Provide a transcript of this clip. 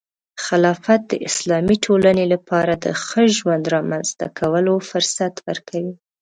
خلافت د اسلامي ټولنې لپاره د ښه ژوند رامنځته کولو فرصت ورکوي.